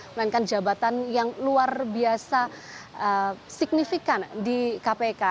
melainkan jabatan yang luar biasa signifikan di kpk